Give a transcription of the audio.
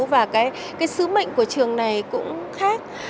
và cái sứ mệnh của trường này cũng khác